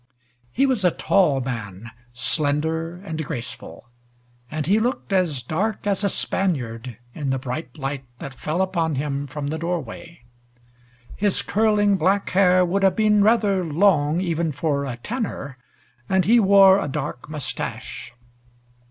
He was a tall man, slender and graceful, and he looked as dark as a Spaniard in the bright light that fell upon him from the doorway. His curling black hair would have been rather long even for a tenor, and he wore a dark mustache.